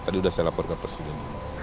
tadi sudah saya lapor ke presiden